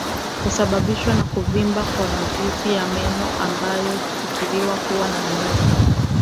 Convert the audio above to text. Husababishwa na kuvimba kwa mizizi ya meno ambayo hufikiriwa kuwa na minyoo